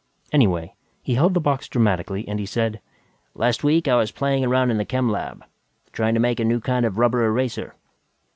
Anyway, he held the box dramatically and he said, "Last week, I was playing around in the chem lab, trying to make a new kind of rubber eraser.